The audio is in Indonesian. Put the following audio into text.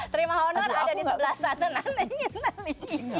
terima honor ada di sebelah sana nanti